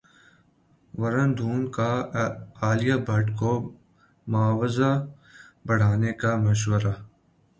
ورن دھون کا عالیہ بھٹ کو معاوضہ بڑھانے کا مشورہ